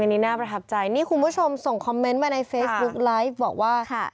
อันนี้น่าประทับใจนี่คุณผู้ชมส่งคอมเมนต์มาในเฟซบุ๊กไลฟ์บอกว่า